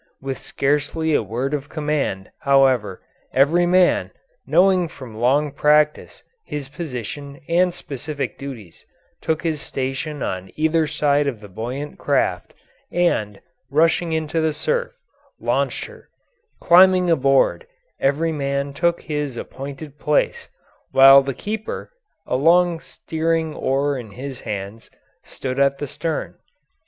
With scarcely a word of command, however, every man, knowing from long practice his position and specific duties, took his station on either side of the buoyant craft and, rushing into the surf, launched her; climbing aboard, every man took his appointed place, while the keeper, a long steering oar in his hands, stood at the stern.